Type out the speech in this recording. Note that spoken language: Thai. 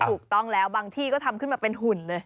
ถูกต้องแล้วบางที่ก็ทำขึ้นมาเป็นหุ่นเลย